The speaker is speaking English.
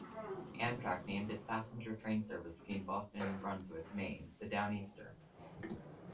Amtrak named its passenger train service between Boston and Brunswick, Maine the "Downeaster".